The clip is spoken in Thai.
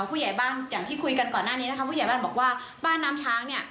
ผู้ใหญ่บ้านอย่างที่คุยกันก่อนหน้านี้นะคะผู้ใหญ่บ้านบอกว่าบ้านน้ำช้างเนี่ย